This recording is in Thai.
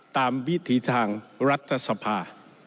วิถีทางรัฐสภา